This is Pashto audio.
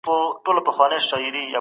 خلګو د باطل پر وړاندي جګړه کړې وه.